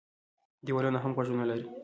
ـ دیوالونه هم غوږونه لري.